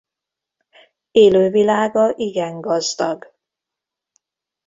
Élővilága igen gazdag.